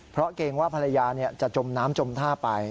เพราะเกรงว่าภรรยาจะจมน้ำจมท่าไป